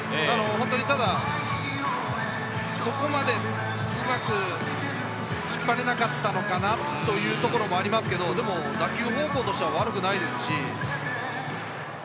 本当にただそこまでうまく引っ張れなかったのかなというところもありますけど、打球方向としては悪くないですし。